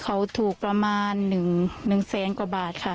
ความปลอดภัยของนายอภิรักษ์และครอบครัวด้วยซ้ำ